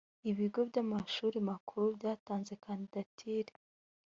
ibigo by’amashuri makuru byatanze kandidatire